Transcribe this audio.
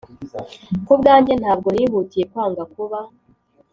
Ku bwanjye ntabwo nihutiye kwanga kuba